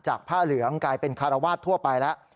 ผ้าเหลืองกลายเป็นคารวาสทั่วไปแล้ว